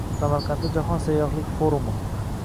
Samarqandda jahon sayyohlik forumi